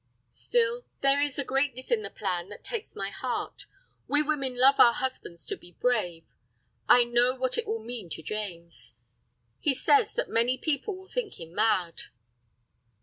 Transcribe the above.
"Still, there is a greatness in the plan that takes my heart. We women love our husbands to be brave. I know what it will mean to James. He says that many people will think him mad."